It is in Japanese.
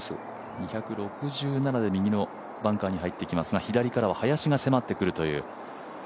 １６７で右のバンカーに入ってきますが、左からは林が迫ってくるという。